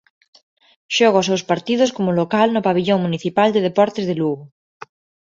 Xoga os seus partidos como local no Pavillón Municipal de Deportes de Lugo.